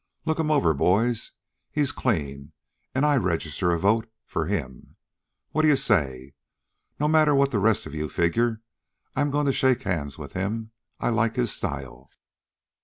Look him over, boys. He's clean, and I register a vote for him. What d'you say? No matter what the rest of you figure, I'm going to shake hands with him. I like his style!"